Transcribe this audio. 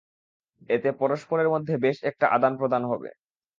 এতে পরস্পরের মধ্যে বেশ একটা আদানপ্রদান হবে।